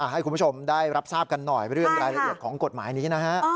ให้คุณผู้ชมได้รับทราบกันหน่อยเรื่องรายละเอียดของกฎหมายนี้นะฮะ